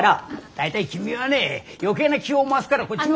大体君はね余計な気を回すからこっちも。